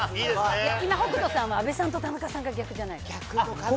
今、北斗さんは阿部さんと田中さんが逆じゃないかって。